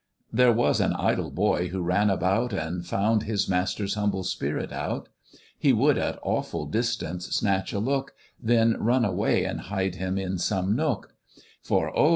There was an idle boy who ran about, And found his master's humble spirit out; He would at awful distance snatch a look, Then run away and hide him in some nook; "For oh!"